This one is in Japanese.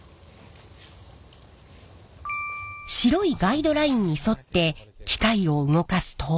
白いガイドラインに沿って機械を動かすと。